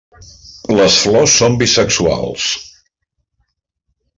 Les flors són bisexuals.